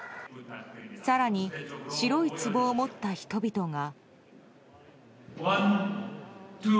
更に、白いつぼを持った人々が。